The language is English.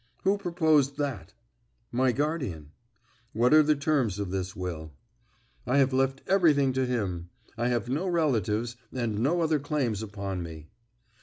"Who proposed that?" "My guardian." "What are the terms of this will?" "I have left everything to him. I have no relatives, and no other claims upon me."